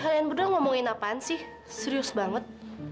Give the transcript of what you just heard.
kalian berdua ngomongin apaan sih serius banget